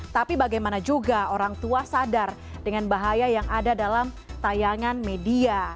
tapi bagaimana juga orang tua sadar dengan bahaya yang ada dalam tayangan media